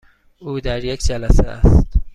او در یک جلسه است.